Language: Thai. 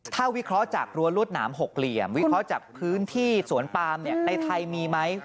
ถ้าวิเคราะห์จากรั้วรวดหนาม๖เหลี่ยมวิเคราะห์จากพื้นที่สวนปามในไทยมีไหม